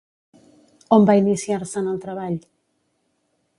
On va iniciar-se en el treball?